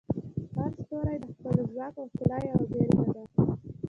هر ستوری د خپل ځواک او ښکلا یوه بیلګه ده.